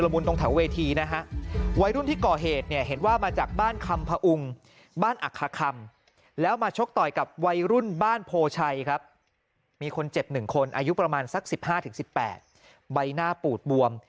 ประมาณซัก๑๕๑๘บัยหน้าปูดบวม